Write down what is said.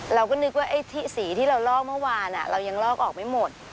เราก็นึกว่าไอ้ที่สีที่เราลอกเมื่อวานเรายังลอกออกไม่หมด